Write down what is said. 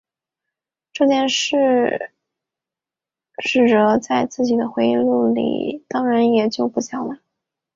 这件事师哲在自己的回忆录里当然也就不讲了。